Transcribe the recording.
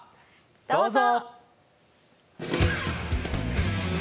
どうぞ！